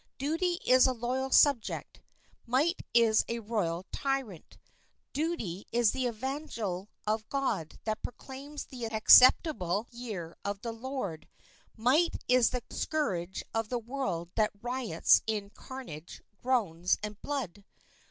Duty is a loyal subject; might is a royal tyrant. Duty is the evangel of God that proclaims the acceptable year of the Lord; might is the scourge of the world that riots in carnage, groans, and blood.